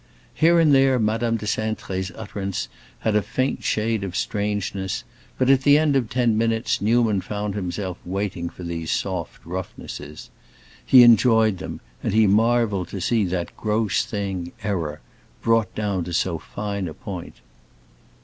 Here and there Madame de Cintré's utterance had a faint shade of strangeness but at the end of ten minutes Newman found himself waiting for these soft roughnesses. He enjoyed them, and he marveled to see that gross thing, error, brought down to so fine a point.